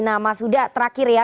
nah mas huda terakhir ya